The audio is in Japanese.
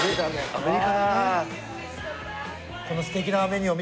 アメリカだね。